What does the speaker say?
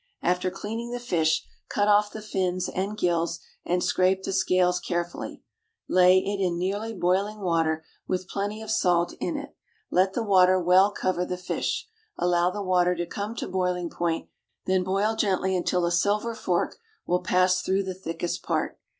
After cleaning the fish, cut off the fins and gills and scrape the scales carefully. Lay it in nearly boiling water with plenty of salt in it; let the water well cover the fish. Allow the water to come to boiling point, then boil gently until a silver fork will pass through the thickest part.